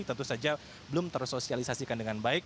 tentu saja belum tersosialisasikan dengan baik